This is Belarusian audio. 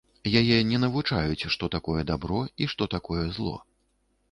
Яе не навучаюць, што такое дабро і што такое зло.